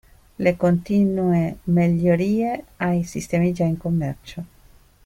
Le continue migliorie ai sistemi già in commercio.